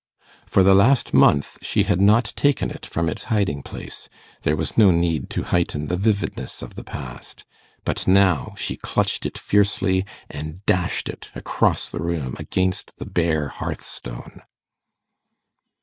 For the last month she had not taken it from its hiding place: there was no need to heighten the vividness of the past. But now she clutched it fiercely, and dashed it across the room against the bare hearth stone.